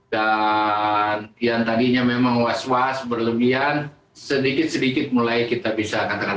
dan yang tadinya memang was was berlebihan sedikit sedikit mulai kita bisa katakan